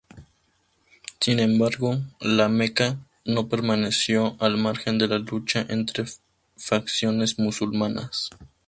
Sin embargo, La Meca no permaneció al margen de la lucha entre facciones musulmanas.